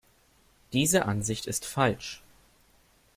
Diese Ansicht ist falsch.